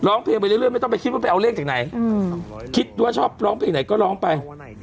ร้องเพลงไปเรื่อยไม่ต้องไปคิดว่าไปเอาเลขจากไหนคิดว่าชอบร้องเพลงไหนก็ร้องไป